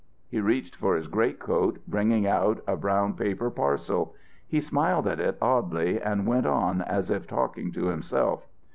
He reached for his greatcoat, bringing out a brown paper parcel. He smiled at it oddly and went on as if talking to himself.